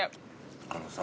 あのさ